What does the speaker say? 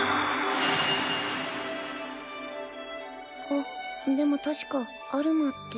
あっでも確かアルマって。